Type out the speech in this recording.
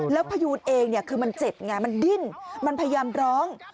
แล้วพยูนเองคือมันเจ็บไงมันดิ้นมันพยายามร้อง